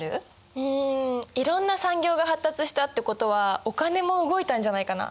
うんいろんな産業が発達したってことはお金も動いたんじゃないかな。